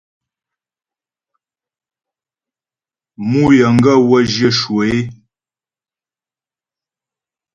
Mǔ yəŋgaə́ wə́ zhyə̂ shwə é.